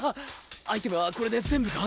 アイテムはこれで全部か？